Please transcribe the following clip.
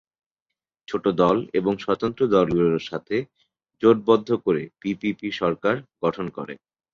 ছোট দল এবং স্বতন্ত্র দলগুলোর সাথে জোটবদ্ধ করে পিপিপি সরকার গঠন করে।